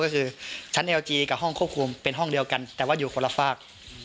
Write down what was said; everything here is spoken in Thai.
ก็คือชั้นเอลจีกับห้องควบคุมเป็นห้องเดียวกันแต่ว่าอยู่คนละฝาก